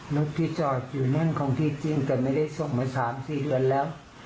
รถที่จอดอยู่นั่นของที่จริงแต่ไม่ได้ส่งมา๓๔เดือนแล้ว